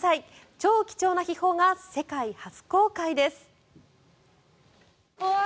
超貴重な秘宝が世界初公開です。